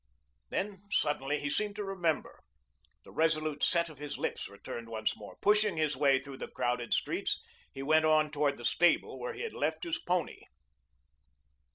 Then suddenly he seemed to remember. The resolute set of his lips returned once more. Pushing his way through the crowded streets, he went on towards the stable where he had left his pony.